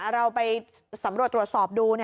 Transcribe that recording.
เราไปสำรวจตรวจสอบดู